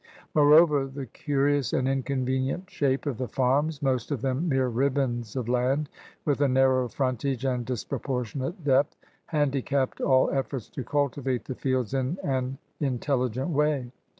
Moreover, the curious and inconvenient shape of the farms, most of them mere ribbons of land, with a narrow frontage and disproportionate dq>th, handicapped all efforts to cultivate the fields in an intelligent way.